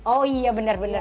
oh iya benar benar